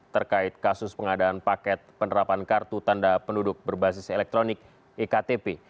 terkait kasus pengadaan paket penerapan kartu tanda penduduk berbasis elektronik iktp